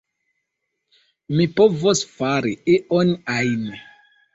Mi povos fari ion ajn.